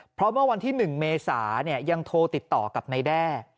เพราะเมื่อวันที่๑เมษายังโทรติดต่อกับนายแด้